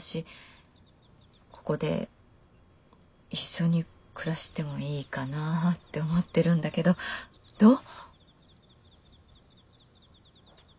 ここで一緒に暮らしてもいいかなぁって思ってるんだけどどう？